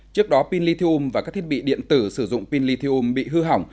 trước đó pin lithium và các thiết bị điện tử sử dụng pin lithium bị hư hỏng